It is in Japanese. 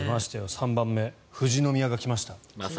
３番目富士宮が来ました。